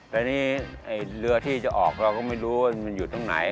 แต่นี่เรือที่จะออกเราก็ไม่รู้ว่ามันอยู่ตรงไหน